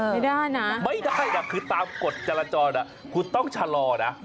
ไม่ได้นะไม่ได้คือตามกฎจราจรคุณต้องชะลอนะ